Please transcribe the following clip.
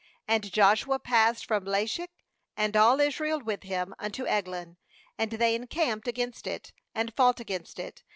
34And Joshua passed from Lachish, and all Israel with him, unto Eglon; and they encamped against it, and fought against it.